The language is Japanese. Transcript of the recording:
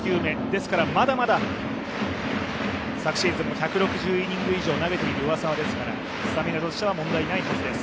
ですからまだまだ、昨シーズンも１６０イニング以上投げている上沢ですからスタミナとしては問題ないはずです。